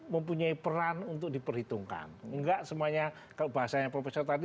mempunyai peran untuk diperhitungkan enggak semuanya kalau bahasanya profesor tadi